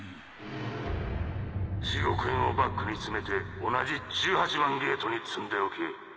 １０億円をバッグに詰めて同じ１８番ゲートに積んでおけ。